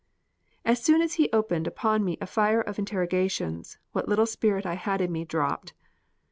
As soon as he opened upon me a fire of interrogations, what little spirit I had in me dropped.